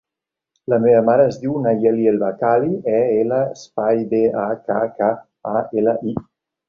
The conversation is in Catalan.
La meva mare es diu Nayeli El Bakkali: e, ela, espai, be, a, ca, ca, a, ela, i.